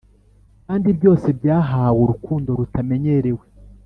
kandi byose byahawe urukundo rutamenyerewe,